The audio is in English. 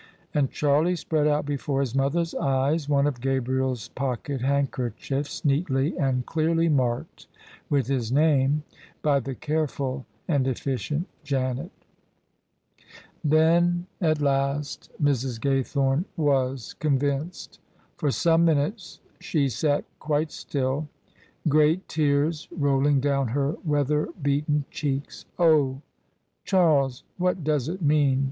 And Charlie spread out before his mother's eyes one of Gabriers pocket handkerchiefs, neatly and clearly marked with his name by the careful and effi cient Janet. Then at last Mrs. Gaythome was convinced. For some minutes she sat quite still, great tears rolling down her weather beaten cheeks. " Oh! Charles, what does it mean?